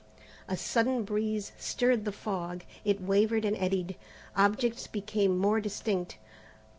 A sudden breeze stirred the fog. It wavered and eddied. Objects became more distinct.